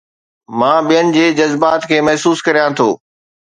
مان ٻين جي جذبات کي محسوس ڪريان ٿو